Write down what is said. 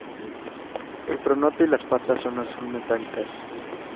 El pronoto y las patas son azul metálicas.